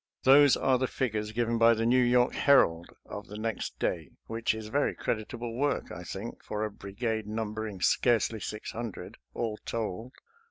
Those are the figures given by the New York Herald of the next day, which is very creditable work, I think, for a brigade numbering scarcely six hundred, all told.